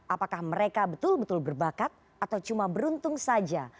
apakah mereka betul betul berbakat atau cuma beruntung saja